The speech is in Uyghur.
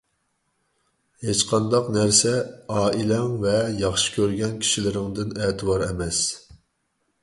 ھېچقانداق نەرسە ئائىلەڭ ۋە ياخشى كۆرگەن كىشىلىرىڭدىن ئەتىۋار ئەمەس.